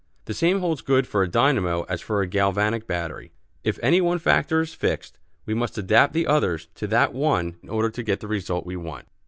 The same holds good for a dynamo as for a galvanic battery. If any one factor is fixed, we must adapt the others to that one in order to get the result we want.